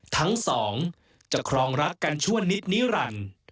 ทั้งสองจะครองรักกันชั่วนิดนิรันดิ์